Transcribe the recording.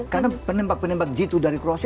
karena penembak penembak jitu dari kroasia